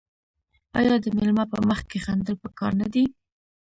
آیا د میلمه په مخ کې خندل پکار نه دي؟